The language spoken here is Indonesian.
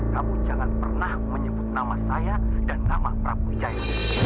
kamu jangan pernah menyebut nama saya dan nama prabu wijaya